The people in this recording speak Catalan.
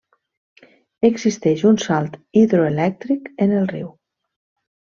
Existix un salt hidroelèctric en el riu.